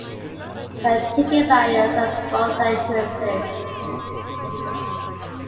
There are ticket barriers at both entrances.